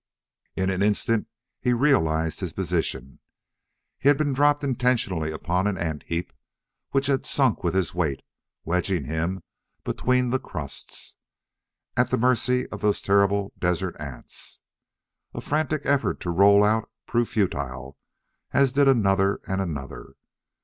In an instant he realized his position. He had been dropped intentionally upon an ant heap, which had sunk with his weight, wedging him between the crusts. At the mercy of those terrible desert ants! A frantic effort to roll out proved futile, as did another and another.